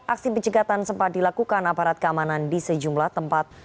aksi pencegatan sempat dilakukan aparat keamanan di sejumlah tempat